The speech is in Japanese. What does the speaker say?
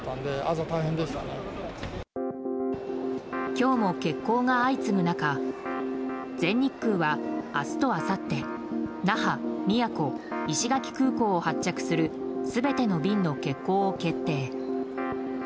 今日も欠航が相次ぐ中全日空は明日とあさって那覇、宮古、石垣空港を発着する全ての便の欠航を決定。